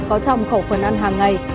có trong khẩu phần ăn hàng ngày